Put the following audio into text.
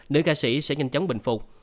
nữ ca sĩ sẽ nhanh chóng bình phục